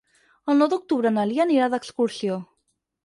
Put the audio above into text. El nou d'octubre na Lia anirà d'excursió.